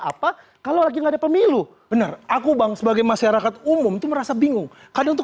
apa kalau lagi nggak ada pemilu bener aku bang sebagai masyarakat umum itu merasa bingung kadang untuk